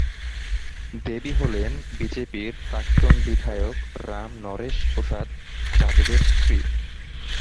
দেবী হলেন বিজেপির প্রাক্তন বিধায়ক রাম নরেশ প্রসাদ যাদবের স্ত্রী।